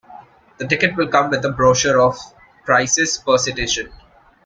The ticket will come with a brochure of prices per citation.